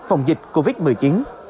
phòng dịch covid một mươi chín